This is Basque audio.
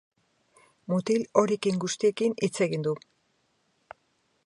Mutil horiekin guztiekin hitz egin du.